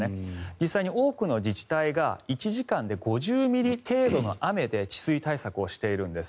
実際に多くの自治体が１時間で５０ミリ程度の雨で治水対策をしているんです。